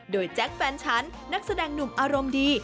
โดยแจ๊คแฟนฉันนักแสดงหนุ่มอารมณ์ดี